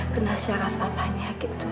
kena syaraf apanya gitu